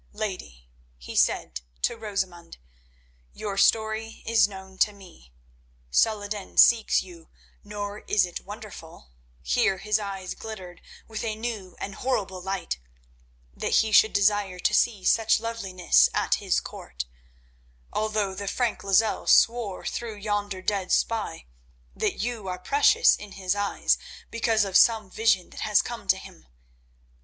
"Lady," he said to Rosamund, "your story is known to me. Salah ed din seeks you, nor is it wonderful"—here his eyes glittered with a new and horrible light—"that he should desire to see such loveliness at his court, although the Frank Lozelle swore through yonder dead spy that you are precious in his eyes because of some vision that has come to him.